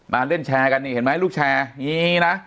เป็นแรนแชร์กันไงเห็นไหมลูกแชร์